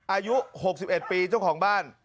อายุ๖๑ปีเจ้าของบ้าน